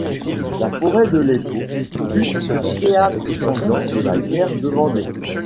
La Forêt de Leppo fut un théâtre sanglant de la Guerre de Vendée.